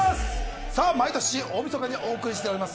毎年、大みそかにお送りしております